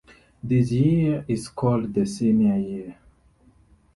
This year is called the senior year.